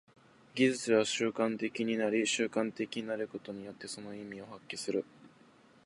技術は習慣的になり、習慣的になることによってその意味を発揮する。